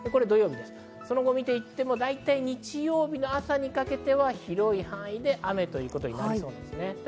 その後を見ていっても、日曜日の朝にかけては広い範囲で雨ということになりそうです。